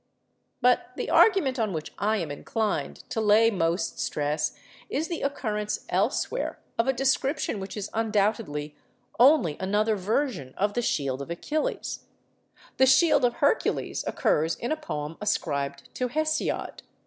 But the argument on which I am inclined to lay most stress is the occurrence elsewhere of a description which is undoubtedly only another version of the 'Shield of Achilles.' The 'Shield of Hercules' occurs in a poem ascribed to Hesiod.